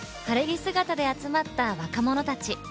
晴れ着姿で集まった若者たち。